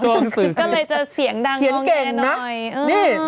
ก็เลยจะเสียงดังงอแงหน่อยเขียนเก่งนะ